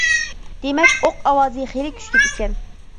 -دېمەك ئوق ئاۋازى خېلى كۈچلۈك ئىكەن.